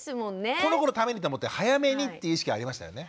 この子のためにと思って早めにっていう意識ありましたよね。